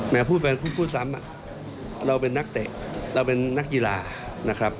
แม้พูดแปลงพูดพูดซ้ำเราเป็นนักเตะเราเป็นนักยีลา